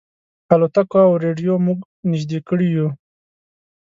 الوتکو او رېډیو موږ نيژدې کړي یو.